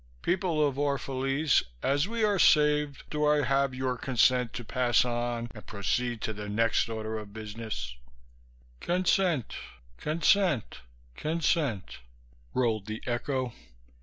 "People of Orphalese, as we are saved, do I have your consent to pass on and proceed to the next order of business?" ("Consent, consent, consent," rolled the echo.)